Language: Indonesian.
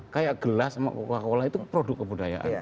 kayak gelas sama coca cola itu produk kebudayaan